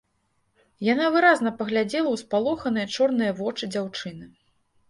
Яна выразна паглядзела у спалоханыя чорныя вочы дзяўчыны